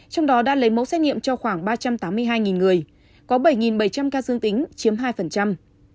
trong đó đã lấy mẫu xét nghiệm cho khoảng ba trăm tám mươi hai người có bảy bảy trăm linh ca dương tính chiếm hai